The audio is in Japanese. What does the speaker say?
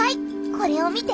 これを見て！